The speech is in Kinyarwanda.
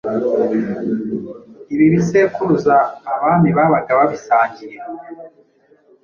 ibi bisekuruza Abami babaga babisangiye